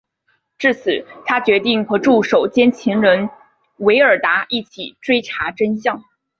至此他决定和助手兼情人维尔达一起追查真相。